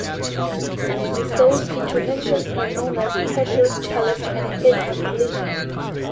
Those interventions are known as "pressure", "challenge", and "head-on collision".